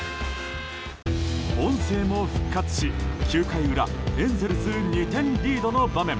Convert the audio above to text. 音声も復活し９回裏エンゼルス２点リードの場面。